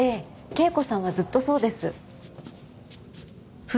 圭子さんはずっとそうです。